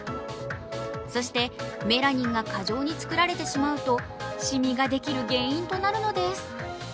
そしてメラニンが過剰に作られてしまうとしみができる原因となるのです。